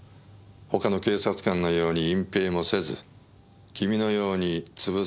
他の警察官のように隠ぺいもせず君のように潰されもせず。